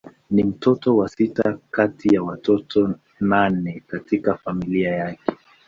Ni mtoto wa sita kati ya watoto nane katika familia yake.